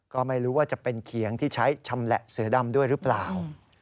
ก็ไม่รู้ว่าจะเป็นเขียงที่ใช้ชำแหละเสือดำด้วยหรือเปล่า